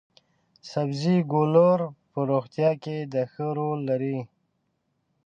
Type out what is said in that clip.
سبزي ګولور په روغتیا کې د ښه رول لري.